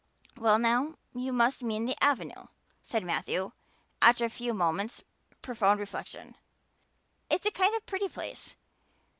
"Well now, you must mean the Avenue," said Matthew after a few moments' profound reflection. "It is a kind of pretty place."